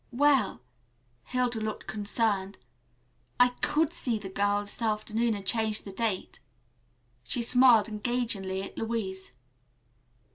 "Well," Hilda looked concerned, "I could see the girl this afternoon and change the date." She smiled engagingly at Louise.